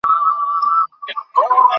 তোমার কিছু মনে আছে?